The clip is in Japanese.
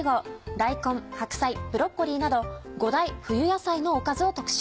大根白菜ブロッコリーなど５大冬野菜のおかずを特集。